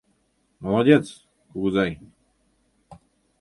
Молодец, кугызай.